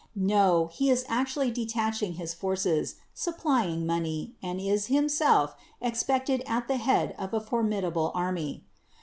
No : he is actually detaching forces, supplying money, and is himself expect ed at the head of a formidable army.